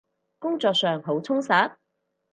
工作上好充實？